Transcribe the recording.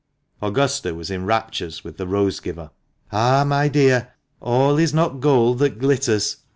Augusta was in raptures with the rose giver.' " Ah ! my dear, all is not gold that glitters.